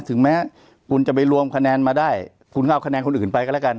ถึงแม้คุณจะไปรวมคะแนนมาได้คุณก็เอาคะแนนคนอื่นไปก็แล้วกัน